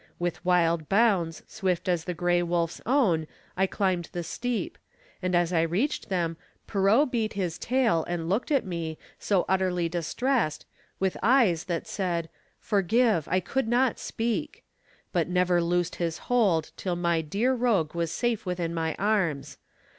With wild bounds Swift as the gray wolf's own I climbed the steep, And as I reached them Pierrot beat his tail, And looked at me, so utterly distressed, With eyes that said: "Forgive, I could not speak," But never loosed his hold till my dear rogue Was safe within my arms.